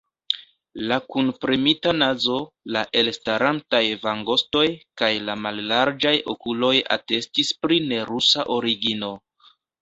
La kunpremita nazo, la elstarantaj vangostoj kaj la mallarĝaj okuloj atestis pri nerusa origino.